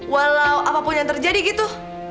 walau apapun yang terjadi gitu